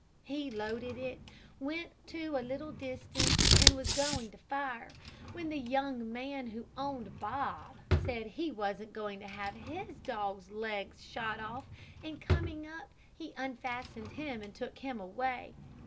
"He loaded it, went to a little distance, and was going to fire, when the young man who owned Bob said he wasn't going to have his dog's legs shot off, and coming up he unfastened him and took him away.